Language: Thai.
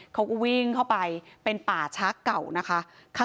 เขาก็วิ่งเข้าไปเป็นป่าช้าเก่านะคะ